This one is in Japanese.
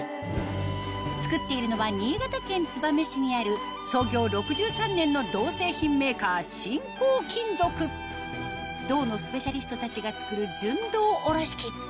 作っているのは新潟県燕市にある創業６３年の銅製品メーカー新光金属銅のスペシャリストたちが作る純銅おろし器